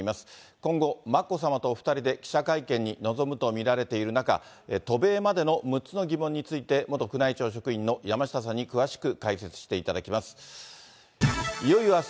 今後、眞子さまとお２人で記者会見に臨むと見られている中、渡米までの６つの疑問について、元宮内庁職員の山下さんに詳しく解説していただきます。